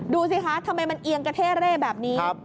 ดูสิคะทำไมมันเอียงกระเท่เร่แบบนี้